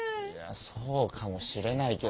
そうかもしれないけど。